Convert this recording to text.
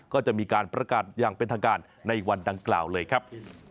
ก็จะมีการประกาศอย่างเป็นทางการในวันดังกล่าวเลยครับ